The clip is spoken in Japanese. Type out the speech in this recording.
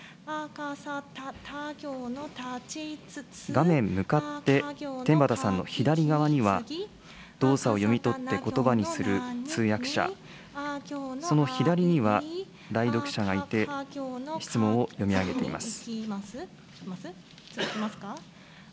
画面向かって、天畠さんの左側には、動作を読み取ってことばにする通訳者、その左には代読者がいて、質問を読み上げています。